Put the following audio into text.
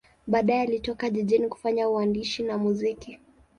Baadaye alitoka jijini kufanya uandishi na muziki.